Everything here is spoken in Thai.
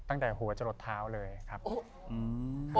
ตั้งแต่หัวจะหลดเท้าเลยครับ